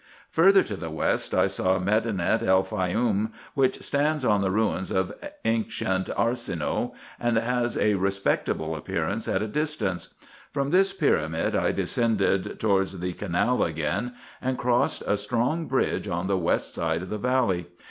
Further to the west, I saw Medinet El Faioum, which stands on the ruins of ancient Arsinoe, and has a respectable appearance at a distance. From this pyramid I descended towards the canal again, and crossed a strong bridge on the west side of the valley.